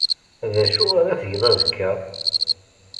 D acu ara tgeḍ azekka?